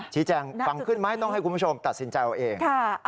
ชี้แจงฟังขึ้นไหมต้องให้คุณผู้ชมตัดสินใจเอาเอง